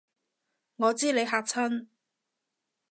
我知你嚇親